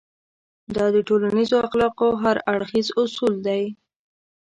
دا د ټولنيزو اخلاقو هر اړخيز اصول دی.